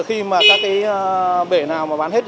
khi các bể nào bán hết